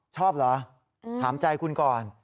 ชอบเหรอถามใจคุณก่อน